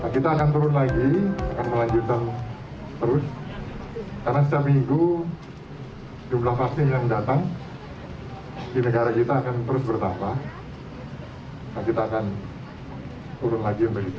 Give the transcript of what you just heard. kita akan turun lagi akan melanjutkan terus karena setiap minggu jumlah vaksin yang datang di negara kita